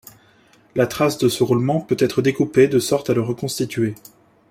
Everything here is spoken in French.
La trace de ce roulement peut être découpée de sorte à le reconstituer.